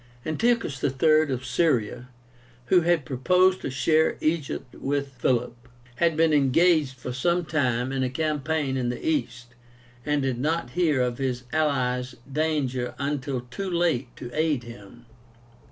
Antiochus III. of Syria, who had proposed to share Egypt with Philip, had been engaged for some time in a campaign in the East, and did not hear of his ally's danger until too late to aid him.